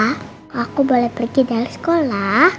aku boleh pergi dari sekolah